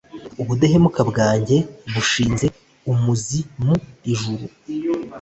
ubudahemuka bwanjye bushinze umuzi mu ijuru